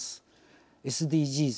ＳＤＧｓ